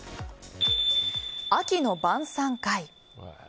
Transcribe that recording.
「秋の晩さん会」。